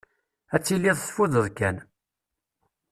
Ad tiliḍ teffudeḍ kan.